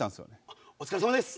あっお疲れさまです。